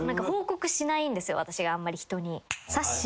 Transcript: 私があんまり人に。